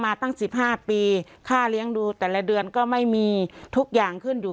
ตั้ง๑๕ปีค่าเลี้ยงดูแต่ละเดือนก็ไม่มีทุกอย่างขึ้นอยู่